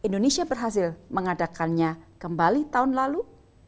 indonesia berhasil mengadakannya kembali tahun lalu